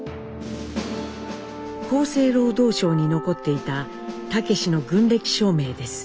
厚生労働省に残っていた武の軍歴証明です。